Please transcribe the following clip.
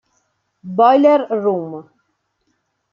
Boiler room